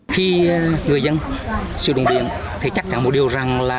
khi người dân siêu đồng điện thì chắc chắn một điều rằng là